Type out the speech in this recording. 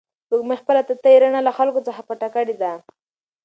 سپوږمۍ خپله تتې رڼا له خلکو څخه پټه کړې ده.